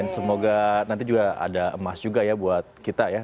semoga nanti juga ada emas juga ya buat kita ya